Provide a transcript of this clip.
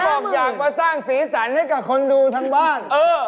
แล้วบอกอยากประสลองศรีสันให้กับคนดูทางบ้าน